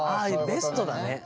ベストだね。